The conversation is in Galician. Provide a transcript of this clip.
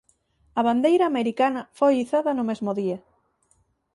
A bandeira americana foi izada no mesmo día.